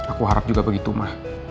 aku harap juga begitu mah